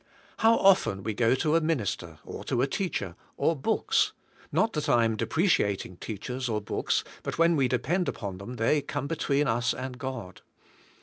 How often we go to a minister, or to a teacher, or books (not that I am depreciating teachers or books, but when we depend upon them they come between us and God).